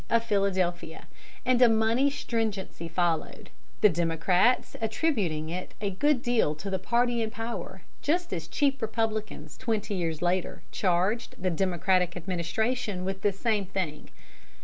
of Philadelphia, and a money stringency followed, the Democrats attributing it a good deal to the party in power, just as cheap Republicans twenty years later charged the Democratic administration with this same thing.